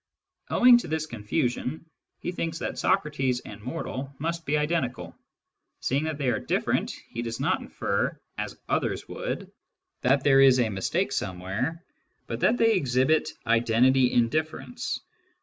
Owing to this confusion, he thinks that " Socrates and " mortal " must be identical Seeing that they are different, he does not infer, as others would, that there is a mistake some where, but that they exhibit " identity in difference."